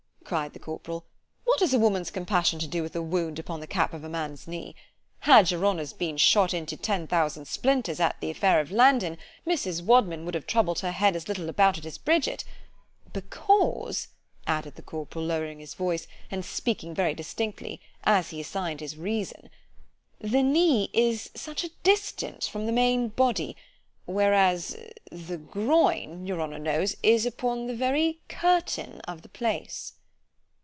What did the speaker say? cried the corporal——what has a woman's compassion to do with a wound upon the cap of a man's knee? had your honour's been shot into ten thousand splinters at the affair of Landen, Mrs. Wadman would have troubled her head as little about it as Bridget; because, added the corporal, lowering his voice, and speaking very distinctly, as he assigned his reason—— "The knee is such a distance from the main body——whereas the groin, your honour knows, is upon the very curtain of the _place.